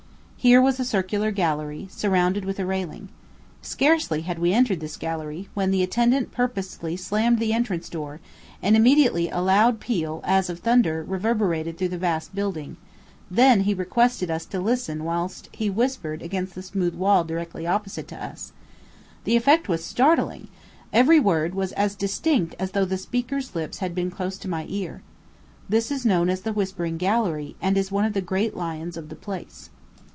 Here was a circular gallery, surrounded with a railing. Scarcely had we entered this gallery, when the attendant purposely slammed the entrance door, and immediately a loud peal, as of thunder, reverberated through the vast building; then he requested us to listen whilst he whispered against the smooth wall directly opposite to us. The effect was startling; every word was as distinct as though the speaker's lips had been close to my ear. This is known as the Whispering Gallery, and is one of the great lions of the place.